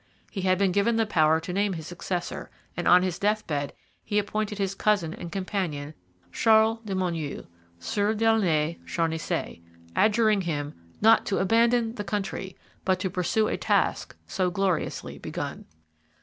He had been given the power to name his successor; and on his death bed he appointed his cousin and companion, Charles de Menou, Sieur d'Aulnay Charnisay, adjuring him 'not to abandon the country, but to pursue a task so gloriously begun.'